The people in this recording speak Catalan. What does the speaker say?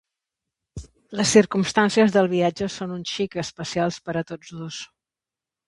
Les circumstàncies del viatge són un xic especials per a tots dos.